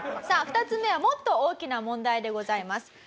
さあ２つ目はもっと大きな問題でございます。